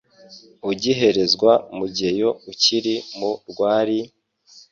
Ugiherezwa Mugeyo ukiri mu rwari,